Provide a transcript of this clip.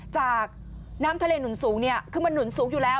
จากน้ำทะเลหนุนสูงเนี่ยคือมันหนุนสูงอยู่แล้ว